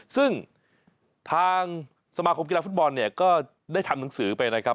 ซึ่งทางสมาคมกีฬาฟุตบอลเนี่ยก็ได้ทำหนังสือไปนะครับ